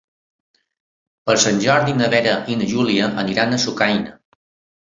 Per Sant Jordi na Vera i na Júlia aniran a Sucaina.